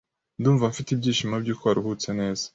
ndumva mfite ibyishimo by’uko waruhutse neza.